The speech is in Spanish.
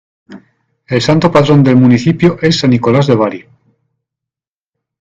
El Santo Patrón del Municipio es San Nicolás de Bari.